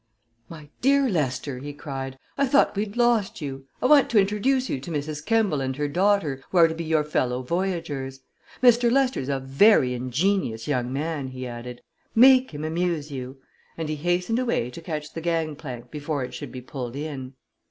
"My dear Lester," he cried, "I thought we'd lost you. I want to introduce you to Mrs. Kemball and her daughter, who are to be your fellow voyagers. Mr. Lester's a very ingenious young man," he added. "Make him amuse you!" and he hastened away to catch the gang plank before it should be pulled in.